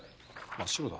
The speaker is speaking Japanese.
真っ白だ。